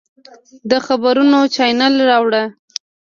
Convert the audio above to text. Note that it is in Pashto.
د خبرونو چاینل راواړوه!